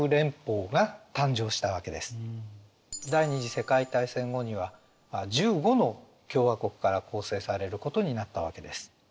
第二次世界大戦後には１５の共和国から構成されることになったわけです。